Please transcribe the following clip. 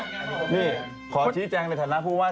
นี่ขอฉีดแจ้งในฐานาที่พูดว่า